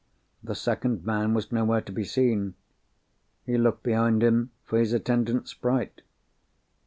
The second man was nowhere to be seen. He looked behind him for his attendant sprite.